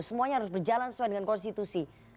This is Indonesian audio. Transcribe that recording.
semuanya harus berjalan sesuai dengan konstitusi